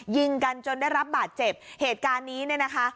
ยิงกันจนได้รับบาดเจ็บเหตุการณ์นี้เนี่ยนะคะ